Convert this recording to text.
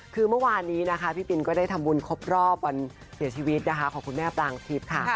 คือเมื่อวานนี้พี่บิลิบาทก็ได้ทำวุญครบรอบวันเสียชีวิตของคุณแม่แปลงทิพย์ค่ะ